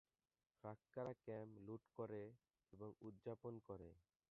ফ্রাঙ্করা camp লুট করে এবং উদযাপন করে।